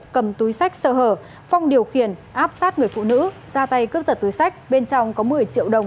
cầm túi sách sợ hở phong điều khiển áp sát người phụ nữ ra tay cướp giật túi sách bên trong có một mươi triệu đồng